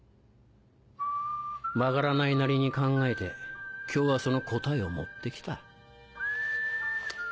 分からないなりに考えて今日はその答えを持って来た。